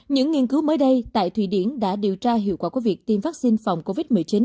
những nghiên cứu mới đây tại thụy điển đã điều tra hiệu quả của việc tiêm vaccine phòng covid một mươi chín